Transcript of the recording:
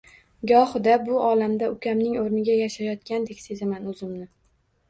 Gohida bu olamda ukamning oʻrniga yashayotgandek sezaman oʻzimni.